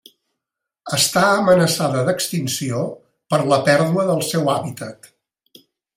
Està amenaçada d'extinció per la pèrdua del seu hàbitat.